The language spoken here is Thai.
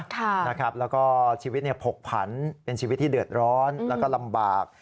แล้วก็ชีวิตผกผันเป็นชีวิตที่เดือดร้อนแล้วก็ลำบาก